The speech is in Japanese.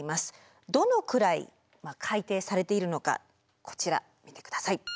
どのくらい改定されているのかこちら見てください。